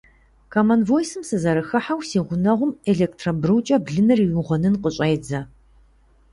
Комон Войсым сызэрыхыхьэу, си гъунэгъум электробрукӏэ блыныр иугъуэнын къыщӏедзэ!